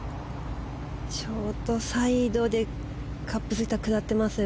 ショートサイドでカップまで下ってますね。